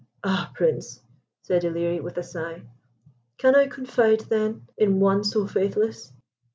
"Ah, Prince!" said Ilerie, with a sigh, "can I confide, then, in one so faithless?"